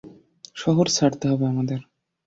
শহর ছাড়তে হবে আমাদের।